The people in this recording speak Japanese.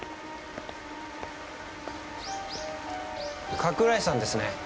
加倉井さんですね？